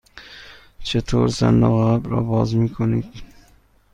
چطور صندوق عقب را باز می کنید؟